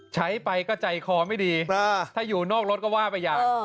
ใช้ไปก็ใจคอไม่ดีถ้าอยู่นอกรถก็ว่าไปอย่าง